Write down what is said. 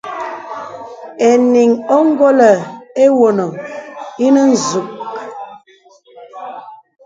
Enīŋ óngolə̀ ewone ìnə nzûg.